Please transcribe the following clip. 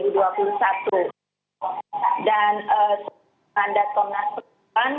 dan sejak mandat komnas perempuan